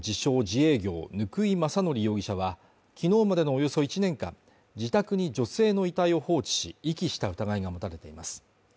自営業貫井政徳容疑者は昨日までのおよそ１年間自宅に女性の遺体を放置し遺棄した疑いが持たれています